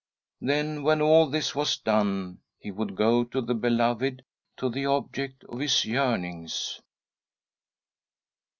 Then, when all this was done, he would go to the beloved, to the object of his yearnings.